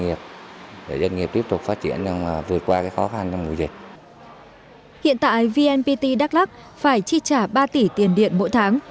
hiện tại vnpt đắk lắc phải chi trả ba tỷ tiền điện mỗi tháng